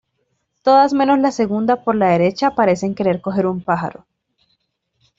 Todas menos la segunda por la derecha parecen querer coger un pájaro.